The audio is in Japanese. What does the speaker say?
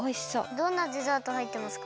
どんなデザートはいってますか？